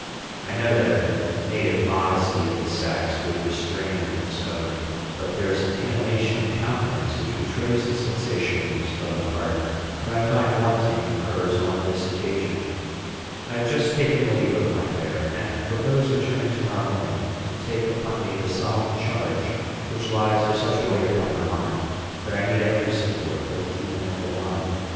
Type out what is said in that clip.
I know that the native modesty of the sex would restrain the discovery; but there is an animation of countenance, which betrays the sensations of the heart, that I find wanting in hers on this occasion. I have just taken leave of my fair, and propose returning to morrow morning to take upon me the solemn charge which lies with such weight upon my mind that I need every support, both human and divine.